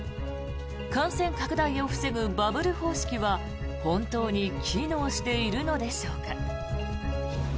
感染拡大を防ぐバブル方式は本当に機能しているのでしょうか。